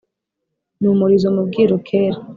Ni umuziro mu Bwiru kera